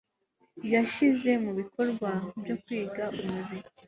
Yishyize mu bikorwa byo kwiga umuziki